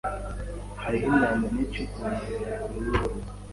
Hariho imyanda myinshi ku nkombe ya kure yuruzi.